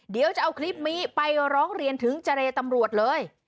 เดี๋ยวจะเอาคลิปนี้ไปร้องเรียนถึงเจรตำรวจเลย